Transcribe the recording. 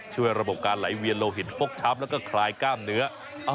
ช่วยระบบการไหลเวียนโลหินฟกช้ำแล้วก็คลายกล้ามเนื้อ